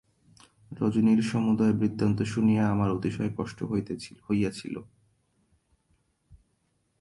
রজনীর সমুদয় বৃত্তান্ত শুনিয়া আমার অতিশয় কষ্ট হইয়াছিল।